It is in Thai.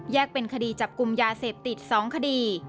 เป็นคดีจับกลุ่มยาเสพติด๒คดี